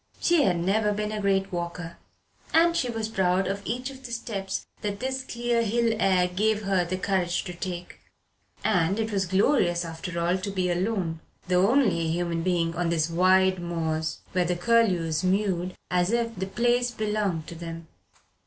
She had never been a great walker, and she was proud of each of the steps that this clear hill air gave her the courage to take. And it was glorious, after all, to be alone the only human thing on these wide moors, where the curlews mewed as if the place belonged to them.